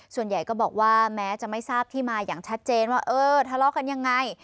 ส่วนใหญ่ก็บอกว่าแม้จะไม่ทราบที่มาอย่างชัดเจนว่าเออทะเลาะกันยังไง